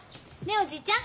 おじいちゃん。